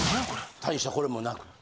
大したこれもなくって。